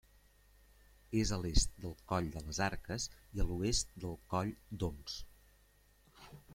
És a l'est del Coll de les Arques i a l'oest del Coll d'Oms.